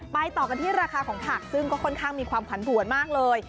ต่อกันที่ราคาของผักซึ่งก็ค่อนข้างมีความผันผวนมากเลย